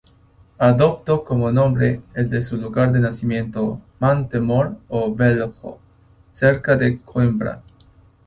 Adoptó como nombre el de su lugar de nacimiento, Montemor-o-Velho, cerca de Coímbra.